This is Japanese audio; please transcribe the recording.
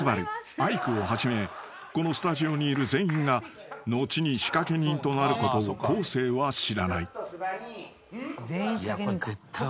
アイクをはじめこのスタジオにいる全員が後に仕掛け人となることを昴生は知らない］